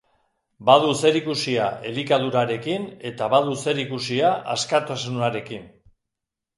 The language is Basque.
Badu zer ikusia elikadurarekin, eta badu zer ikusia askatasunarekin.